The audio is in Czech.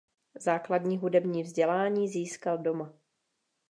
Základní hudební vzdělání získal doma.